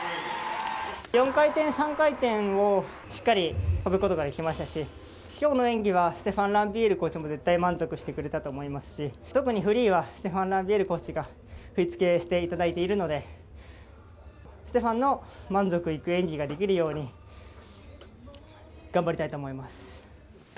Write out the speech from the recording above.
４回転、３回転をしっかり飛ぶことができましたし今日の演技はステファン・ランビエールコーチも絶対満足してくれたと思いますし特にフリーはステファン・ランビエールコーチが振り付けをしていただいているのでステファンの満足のいく演技ができるように頑張りたいと思います。